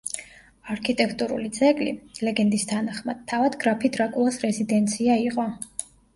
არქიტექტურული ძეგლი, ლეგენდის თანახმად, თავად გრაფი დრაკულას რეზიდენცია იყო.